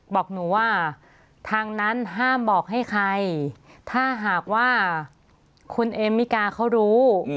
บอกหนูว่าทางนั้นห้ามบอกให้ใครถ้าหากว่าคุณเอมมิกาเขารู้